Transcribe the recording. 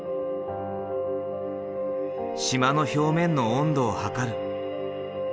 島の表面の温度を測る。